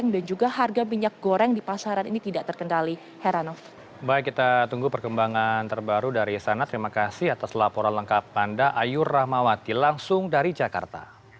dan juga heranov yang bisa saya informasikan